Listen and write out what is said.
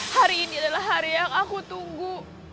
hari ini adalah hari yang aku tunggu